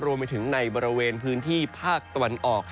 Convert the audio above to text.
รวมไปถึงในบริเวณพื้นที่ภาคตะวันออก